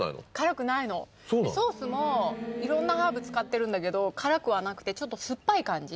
ソースもいろんなハーブ使ってるんだけど辛くはなくてちょっと酸っぱい感じ